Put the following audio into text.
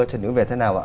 trần nhũng về thế nào ạ